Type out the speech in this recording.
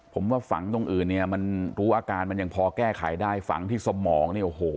ผมว่าฝังตรงอื่นเนี่ยมันรู้อาการมันยังพอแก้ไขได้ฝังที่สมองเนี่ยโอ้โห